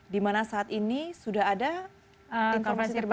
dimana saat ini sudah ada informasi terbaru ya